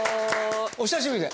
お久しぶりで。